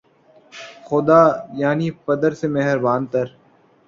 خدا‘ یعنی پدر سے مہرباں تر